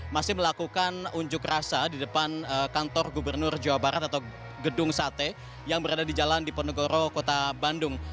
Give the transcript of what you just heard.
masih melakukan unjuk rasa di depan kantor gubernur jawa barat atau gedung sate yang berada di jalan diponegoro kota bandung